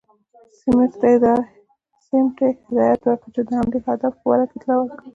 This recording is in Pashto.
سمیت ته هدایت ورکړ چې د حملې اهدافو په باره کې اطلاع ورکړي.